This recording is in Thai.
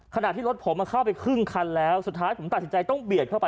ขณะที่รถผมเข้าไปครึ่งคันแล้วสุดท้ายผมตัดสินใจต้องเบียดเข้าไป